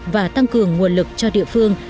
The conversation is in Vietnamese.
và tăng cường nguồn lực cho địa phương